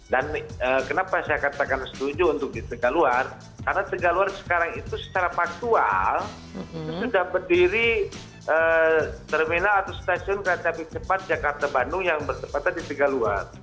dan kenapa saya katakan setuju untuk di tiga luar karena tiga luar sekarang itu secara paksual sudah berdiri terminal atau stasiun kereta pengecepat jakarta bandung yang bersepatah di tiga luar